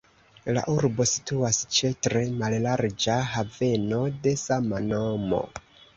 La urbo situas ĉe tre mallarĝa haveno de sama nomo.